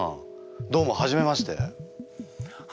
どうも初めまして。